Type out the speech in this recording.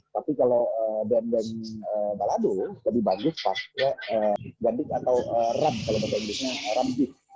tapi kalau dendeng balado lebih bagus pakai dendeng gandik atau ram